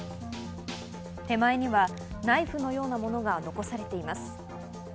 手前にはナイフのようなものが残されています。